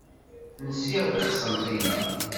Nsiɣ deg Qsenṭina.